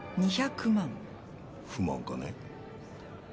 不満かね？